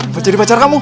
mau jadi pacar kamu